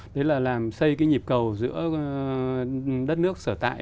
đấy là làm xây cái nhịp cầu giữa đất nước sở tại